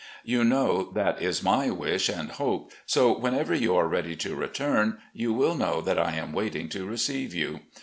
You know that is my wish and hope, so whenever you are ready to return you will know that I am waiting to receive • you.